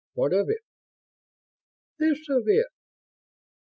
What of it?" "This of it.